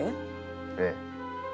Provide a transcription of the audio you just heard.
ええ。